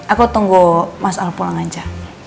aku tunggu mas al pulang aja